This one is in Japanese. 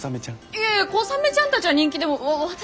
いやいやコサメちゃんたちは人気でも私。